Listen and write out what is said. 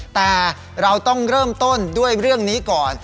แต่เราต้องเริ่มต้นด้วยเรื่องนี้ก่อน